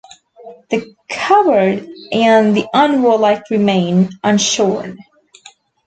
The coward and the unwarlike remain unshorn.